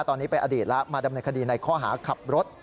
ตอนนี้เป็นอดีตแล้วมาดำเนินคดีในข้อหาขับรถ